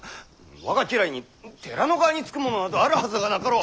我が家来に寺の側につく者などあるはずがなかろう。